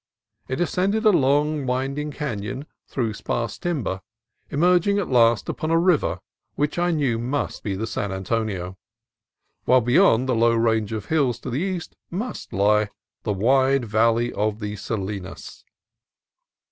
It descended a long, winding canon through sparse timber, emerging at last upon a river which I knew must be the San Antonio, while beyond the low range of hills to the east must lie the wide valley of the Salinas.